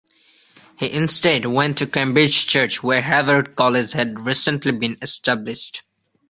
He instead went to the Cambridge church where Harvard College had recently been established.